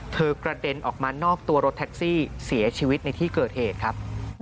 กระเด็นออกมานอกตัวรถแท็กซี่เสียชีวิตในที่เกิดเหตุครับ